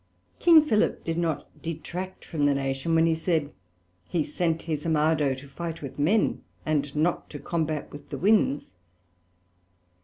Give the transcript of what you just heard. King Philip did not detract from the Nation, when he said, he sent his Armado to fight with men, and not to combate with the Winds.